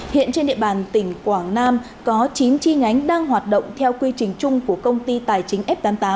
hiện trên địa bàn tỉnh quảng nam có chín chi nhánh đang hoạt động theo quy trình chung của công ty tài chính f tám mươi tám